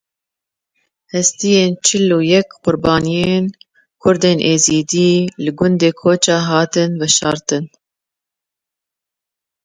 Hestiyên çil û yek qurbaniyên Kurdên Êzidî li gundê Koço hatin veşartin.